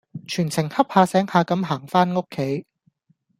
全程恰下醒下咁行返屋企